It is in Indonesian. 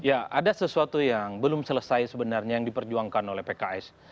ya ada sesuatu yang belum selesai sebenarnya yang diperjuangkan oleh pks